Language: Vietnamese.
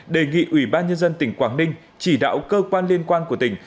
đề nghị ủy ban nhân dân tỉnh quảng ninh chỉ đạo cơ quan liên quan của tỉnh